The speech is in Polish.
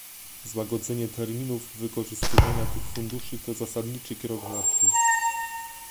Złagodzenie terminów wykorzystania tych funduszy to zasadniczy krok naprzód